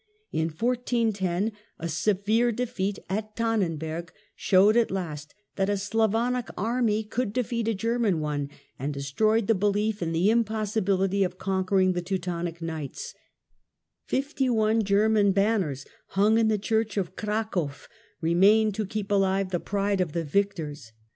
In 1410 a severe defeat at Tannenberg shovi^ed at last that Battle of Tannen a Slavonic army could defeat a German one, and de berg, i4io stroyed the belief in the impossibility of conquering the Teutonic Knights ; fifty one German banners, hung in the Church of Crakow, remained to keep alive the pride of the victors.